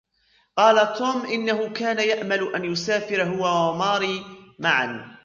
قال توم انه كان يأمل ان يسافر هو و ماري معا.